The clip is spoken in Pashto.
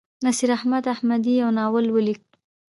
نصیراحمد احمدي یو ناول ولیک.